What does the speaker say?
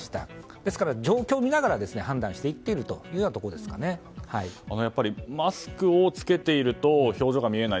ですから状況を見ながら判断しているマスクを着けていると表情が見えない。